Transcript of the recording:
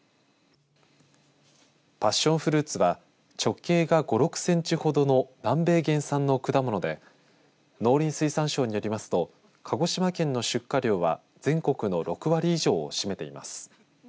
パッションフルーツは直径が５６センチほどの南米原産の果物で農林水産省によりますと鹿児島県の出荷量は全国の６割以上を占めています。